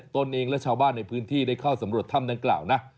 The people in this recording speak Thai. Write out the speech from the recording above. ตนเองและชาวบ้านในพื้นที่ได้เข้าสำรวจถ้ำดังกล่าวนะ